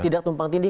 tidak tumpang tinggi